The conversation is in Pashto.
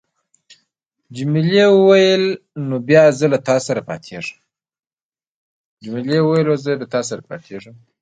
جميلې وويل: نو بیا زه له تا سره پاتېږم.